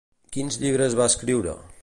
Quins llibres va escriure?